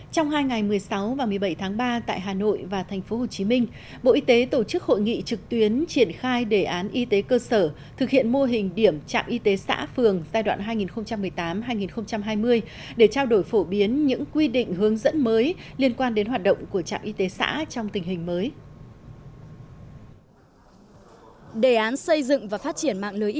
trong hai ngày một mươi sáu và một mươi bảy tháng ba tại hà nội và tp hcm bộ y tế tổ chức hội nghị trực tuyến triển khai đề án y tế cơ sở thực hiện mô hình điểm trạm y tế xã phường giai đoạn hai nghìn một mươi tám hai nghìn hai mươi để trao đổi phổ biến những quy định hướng dẫn mới liên quan đến hoạt động của trạm y tế xã trong tình hình mới